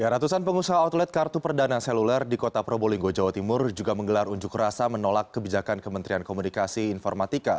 ratusan pengusaha outlet kartu perdana seluler di kota probolinggo jawa timur juga menggelar unjuk rasa menolak kebijakan kementerian komunikasi informatika